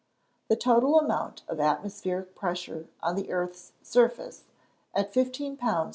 _ The total amount of atmospheric pressure on the earth's surface, at 15 lbs.